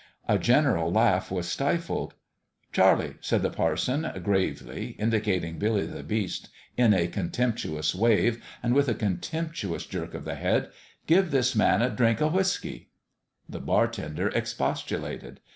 A general laugh was stifled. " Charlie," said the parson, gravely, indicating Billy the Beast in a contemptuous wave and with a contemptuous jerk of the head, " give this man a drink of whiskey." The bartender expostulated.